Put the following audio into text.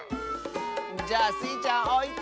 じゃあスイちゃんおいて！